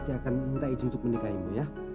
dan aku janji akan meminta izin untuk menikahimu ya